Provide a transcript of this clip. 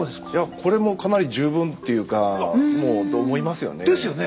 これもかなり十分ていうかと思いますよね。ですよね。